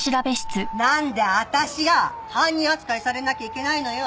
なんで私が犯人扱いされなきゃいけないのよ。